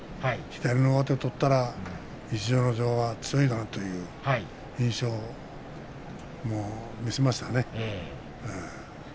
左の上手を取ったら逸ノ城は強いなという印象を見せましたね。